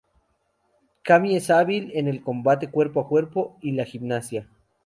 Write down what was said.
Cammi es hábil en el combate cuerpo a cuerpo y la gimnasia.